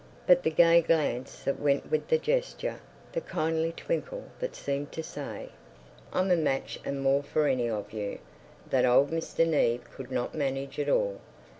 But the gay glance that went with the gesture, the kindly twinkle that seemed to say, "I'm a match and more for any of you"—that old Mr. Neave could not manage at all.